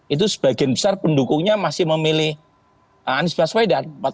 itu sebagian besar pendukungnya masih memilih anies baswedan